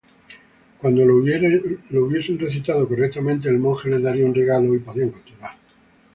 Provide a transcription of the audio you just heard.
Cuando lo hubiesen recitado correctamente, el monje les daría un regalo y podían continuar.